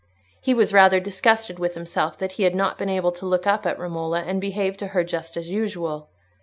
He was rather disgusted with himself that he had not been able to look up at Romola and behave to her just as usual.